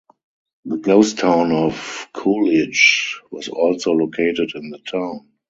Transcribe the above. The ghost town of Coolidge was also located in the town.